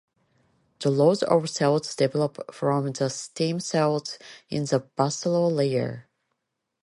The rows of cells develop from the stem cells in the basal layer.